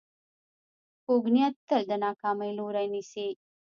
کوږ نیت تل د ناکامۍ لوری نیسي